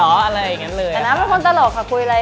อะไรอย่างงั้นเลย